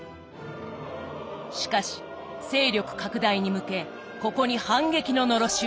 しかし勢力拡大に向けここに反撃ののろしを上げた。